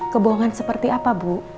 kebohongan seperti apa bu